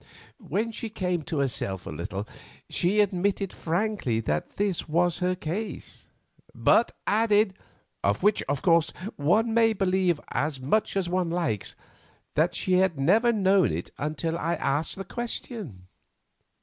When she came to herself a little, she admitted frankly that this was her case, but added—of which, of course, one may believe as much as one likes, that she had never known it until I asked the question."